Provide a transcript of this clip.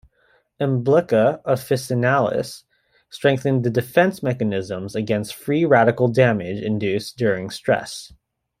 Emblica officinalis strengthened the defence mechanisms against free radical damage induced during stress.